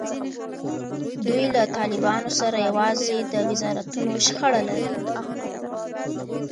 دوی له طالبانو سره یوازې د وزارتونو شخړه لري.